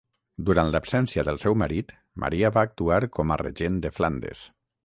Durant l'absència del seu marit, Maria va actuar com a regent de Flandes.